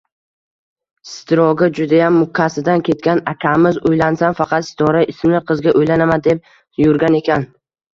Sitroga judayam mukkasidan ketgan akamiz, "Uylansam, faqat Sitora ismli qizga uylanaman!" deb yurgan ekan...